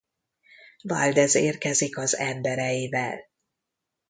Valdez érkezik az embereivel.